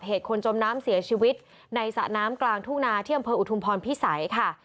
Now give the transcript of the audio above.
เหตุคนจมน้ำเสียชีวิตในสระน้ำกลางทุ่งนาที่อำเภออุทุมพรพิสัยค่ะ